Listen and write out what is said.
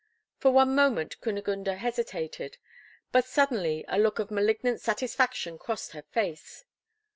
For one moment Kunigunde hesitated, but suddenly a look of malignant satisfaction crossed her face.